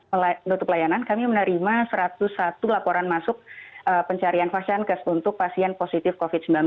menutup layanan kami menerima satu ratus satu laporan masuk pencarian pasien kes untuk pasien positif covid sembilan belas